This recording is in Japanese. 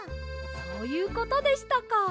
そういうことでしたか。